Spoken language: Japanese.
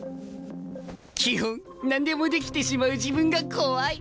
基本何でもできてしまう自分が怖い。